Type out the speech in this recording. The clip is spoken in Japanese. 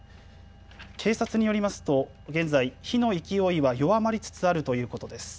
警察によりますと現在、火の勢いは弱まりつつあるということです。